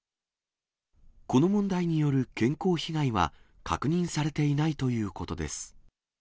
この問題による健康被害は確認されていないということです。